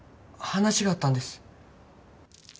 話があったんです。